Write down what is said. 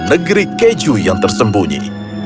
negeri keju yang tersembunyi